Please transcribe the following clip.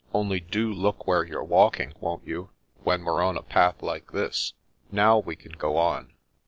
Only do look where you're walk ing, won't you, when we're on a path like this? Now we can go on."